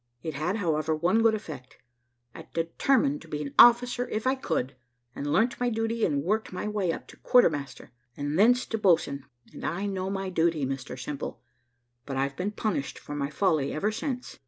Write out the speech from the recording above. It had, however, one good effect; I determined to be an officer if I could, and learnt my duty, and worked my way up to quarter master, and thence to boatswain and I know my duty, Mr Simple. But I've been punished for my folly ever since.